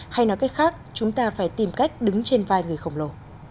hay nói cách khác chúng ta phải tìm cách đứng trên vai người khổng lồ